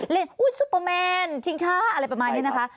อุ๊ยซุปเปอร์แมนชิงช้าอะไรประมาณนี้นะคะ